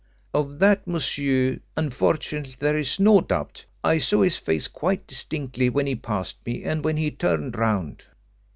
"Of that, monsieur, unfortunately there is no doubt. I saw his face quite distinctly when he passed me, and when he turned round."